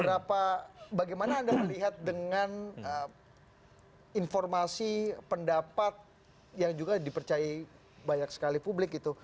dan om bagaimana anda melihat dengan informasi pendapat yang juga dipercayai banyak sekali publik itu